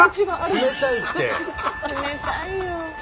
冷たいよ。